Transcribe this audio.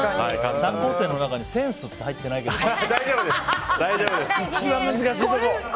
３工程の中にセンスって入ってないけど？